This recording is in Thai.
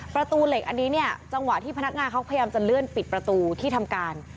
ประตูเหล็กอันนี้เนี่ยจังหวะที่พนักงานเขาพยายามจะเลื่อนปิดประตูที่ทำการ